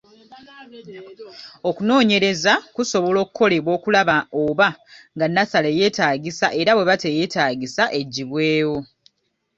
Okunoonyereza kusobola okukolebwa okulaba oba nga nnasale yeetaagisa era bw'eba teyeetaagisa eggyibwewo.